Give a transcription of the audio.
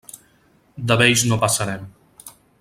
De vells no passarem.